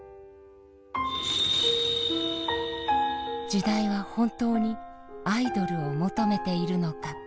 時代は本当にアイドルを求めているのか。